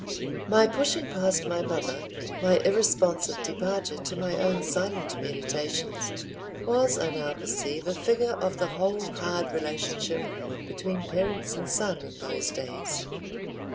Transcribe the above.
My pushing past my mother, my irresponsive departure to my own silent meditations, was, I now perceive, a figure of the whole hard relationship between parents and son in those days.